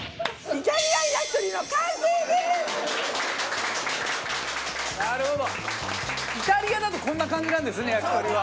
イタリアだとこんな感じなんですね焼き鳥は。